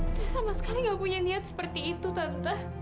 saya sama sekali gak punya niat seperti itu tante